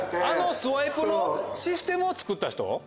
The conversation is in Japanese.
あのスワイプのシステムを作った人？